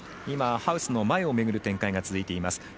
今、ハウスの前をめぐる展開が続いています。